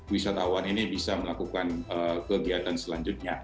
wisatawan ini bisa melakukan kegiatan selanjutnya